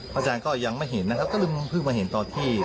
อาจารย์ก็ยังไม่เห็นนะครับก็เลยเพิ่งมาเห็นตอนที่